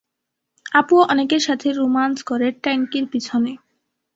আপুও অনেকের সাথে, রোমান্স করে ট্যাংকির পিছনে।